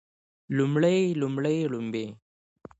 لومړی لومړۍ ړومبی